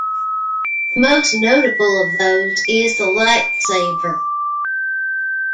The most notable of those is the Lightsaber.